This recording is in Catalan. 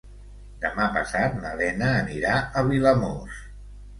Demà passat na Lena anirà a Vilamòs.